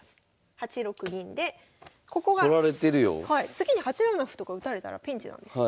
次に８七歩とか打たれたらピンチなんですよ。